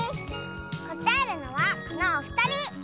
こたえるのはこのおふたり！